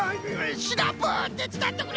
シナプーてつだっとくれ！